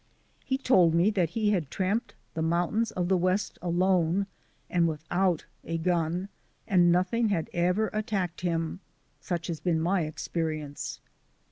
He told me that he had tramped the mountains of the West alone and without a gun and nothing had ever attacked him. Such has been my experience.